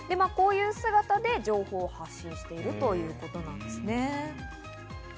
こういう姿で情報を発信しているということです。